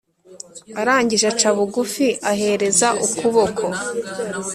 arangije aca bugufi ahereza ukuboko